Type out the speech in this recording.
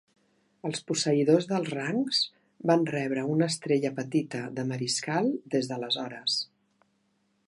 Els posseïdors dels rangs van rebre una estrella petita de mariscal des d'aleshores.